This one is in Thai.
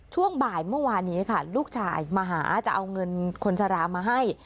ช่วงบ่ายเมื่อวานนี้ค่ะลูกชายมาหาจะเอาเงินคนชะลามาให้